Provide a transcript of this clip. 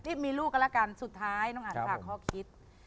นี่มีลูกก็ละกันสุดท้ายต้องอ่านภาคข้อคิด